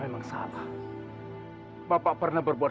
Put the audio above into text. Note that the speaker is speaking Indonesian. lu apa apaan sih eh